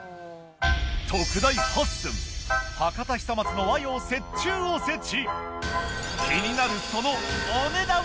特大８寸博多久松の和洋折衷おせち。